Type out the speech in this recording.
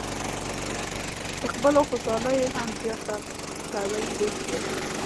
د خپلو خوشالیو هم زیاته کوئ پوه شوې!.